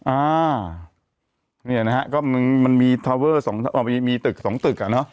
อ่านี่นะครับก็มันมีตึก๒ตึก